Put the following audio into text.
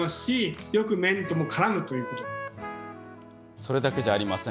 それだけじゃありません。